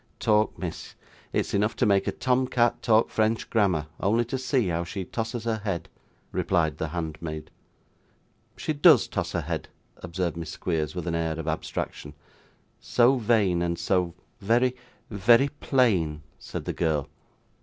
'Talk, miss! It's enough to make a Tom cat talk French grammar, only to see how she tosses her head,' replied the handmaid. 'She DOES toss her head,' observed Miss Squeers, with an air of abstraction. 'So vain, and so very very plain,' said the girl.